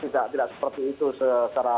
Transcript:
tidak seperti itu secara